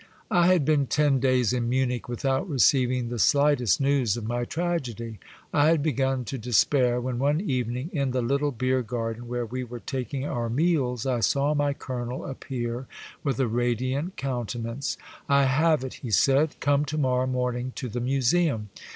I HAD been ten days in Munich without receiv ing the slightest news of my tragedy. I had begun to despair, when one evening in the little beer garden where we were taking our meals, I saw my colonel appear with a radiant countenance. *' I have it," he said ;" come to morrow morning to the museum.